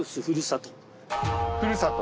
ふるさと。